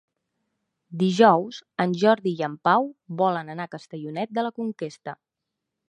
Dijous en Jordi i en Pau volen anar a Castellonet de la Conquesta.